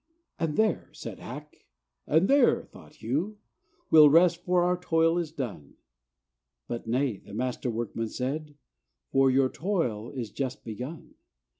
And "There!" said Hack, and "There!" thought Hew, "We'll rest, for our toil is done." But "Nay," the Master Workman said, "For your toil is just begun.